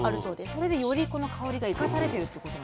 それでよりこの香りが生かされてるってこと？